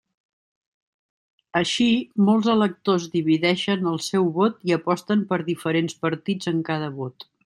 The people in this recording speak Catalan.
Així, molts electors divideixen el seu vot i aposten per diferents partits en cada vot.